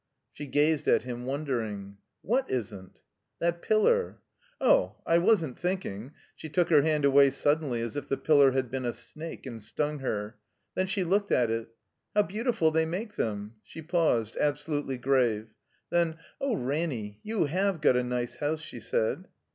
She gazed at him, wondering. ''What isn't?" That pillar." Oh — I wasn't thinking —'* She took her hand away suddenly as if the pillar had been a snake and stimg her. Ilien she looked at it. • "How beautiful they make them!" She paused, absolutely grave. Then, "Oh, Ranny, you have got a nice house," she said.